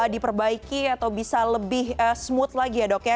diperbaiki atau bisa lebih smooth lagi ya dok ya